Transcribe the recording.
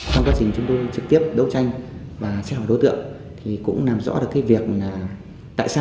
trong quá trình chúng tôi trực tiếp đấu tranh và xét hỏi đối tượng thì cũng làm rõ được cái việc là tại sao